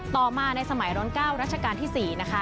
ต่อมาในสมัยร้น๙รัชกาลที่๔นะคะ